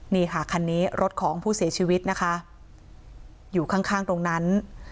นี่ค่ะคันนี้รถของผู้เสียชีวิตนะคะอยู่ข้างข้างตรงนั้น